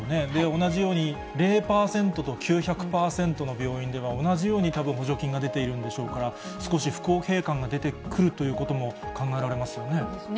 同じように０％と９００％の病院では、同じようにたぶん補助金が出ているんでしょうから、少し不公平感が出てくるということも考えられますよね。